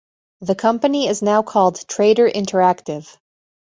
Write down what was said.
The company is now called Trader Interactive.